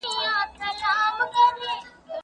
پوهانو ته درناوی وکړئ.